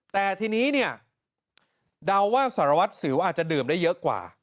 แต่ทีนี้เนี่ยเดาว่าสารวัตรสิวอาจจะดื่มได้เยอะกว่า